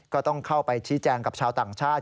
ก็ต้องเข้าไปชี้แจงกับชาวต่างชาติ